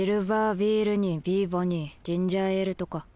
ビールにビーボにジンジャーエールとか。